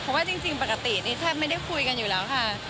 เพราะว่าจริงปกตินี่แทบไม่ได้คุยกันอยู่แล้วค่ะ